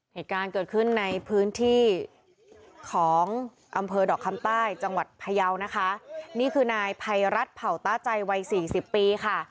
เหตุการณ์เกิดขึ้นในพื้นที่ของอำเภอดอกคำใต้จังหวัดพยาวนะคะนี่คือนายภัยรัฐเผ่าต้าใจวัยสี่สิบปีค่ะ